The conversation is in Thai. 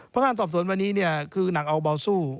พนักงานสอบสวนวันนี้เนี่ยคือหนังเอาเบาสู้